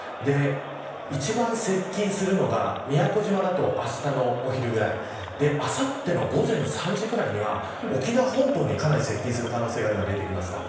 一番、接近するのが宮古島だと、あしたのお昼くらいあさっての午前３時くらいには沖縄本島にかなり接近する可能性が出てきました。